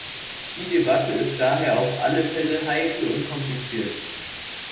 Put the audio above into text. Die Debatte ist daher auf alle Fälle heikel und kompliziert.